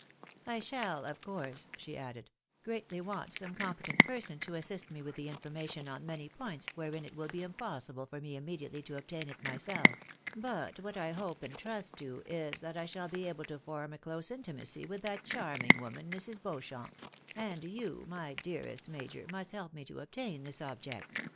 " I shall of course," she added, " greatly want some competent person to assist me with information on many points wherein it will be impossible for me immediately to obtain it myself ! but what I hope and trust to, is, that I shall be able to form a close intimacy with that charming woman, Mrs. Beauchamp ; and you, my dearest major, must help me to obtain this object.